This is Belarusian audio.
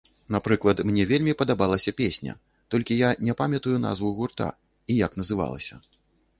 Напрыклад, мне вельмі падабалася песня, толькі я не памятаю назву гурта і як называлася.